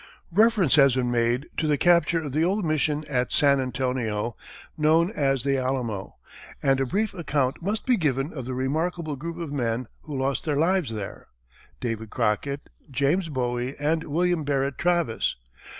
Reference has been made to the capture of the old mission at San Antonio known as "The Alamo," and a brief account must be given of the remarkable group of men who lost their lives there David Crockett, James Bowie, and William Barrett Travis.